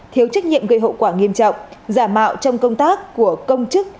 thiếu trách nhiệm gây hậu quả nghiêm trọng giả mạo trong công tác của công chức